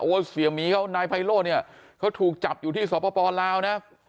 เสียหมีเขานายไพโล่เนี่ยเขาถูกจับอยู่ที่สปลาวนะ